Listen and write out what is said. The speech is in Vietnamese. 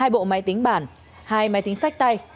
hai bộ máy tính bản hai máy tính sách tay